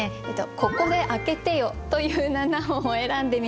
「ここで開けてよ」という七音を選んでみました。